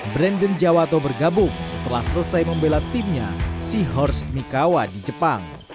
brandon jawa atau bergabung setelah selesai membela timnya si horst mikawa di jepang